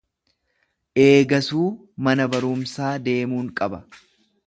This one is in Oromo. Eegasuu mana barumsaa deemuun qaba.